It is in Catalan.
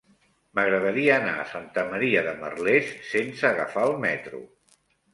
M'agradaria anar a Santa Maria de Merlès sense agafar el metro.